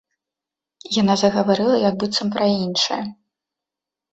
Яна загаварыла як быццам пра іншае.